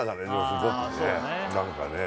すごくね